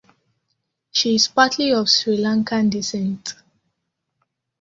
She is partly of Sri Lankan descent.